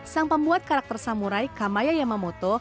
sang pembuat karakter samurai kamaya yamamoto